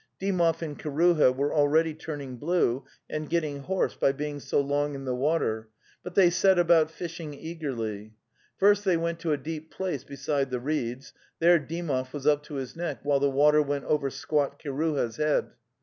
Dymov and Kiruha were already turning blue and getting hoarse by being so long in the water, but they set about fishing eagerly. First they went to a deep place beside the reeds; there Dymov was up to his neck, while the water went over squat Kiruha's head.